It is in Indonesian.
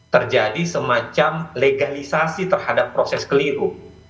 terjadi semacam legalisasi terhadap proses keliru